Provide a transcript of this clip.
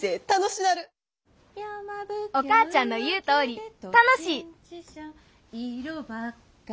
お母ちゃんの言うとおり楽しい！